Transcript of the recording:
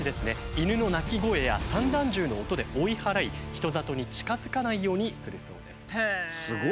犬の鳴き声や散弾銃の音で追い払い人里に近づかないようにするそうです。